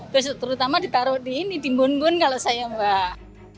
terus terutama ditaruh di ini dimbun bun kalau saya mbak